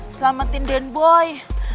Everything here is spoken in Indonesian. selamatin den boy